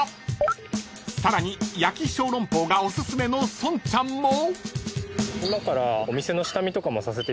［さらに焼き小籠包がおすすめの孫ちゃんも］